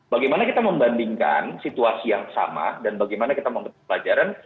bagaimana kita membandingkan situasi yang sama dan bagaimana kita membuat pelajaran